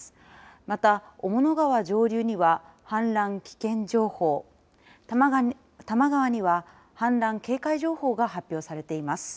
また、雄物川上流には氾濫危険情報玉川には氾濫警戒情報が発表されています。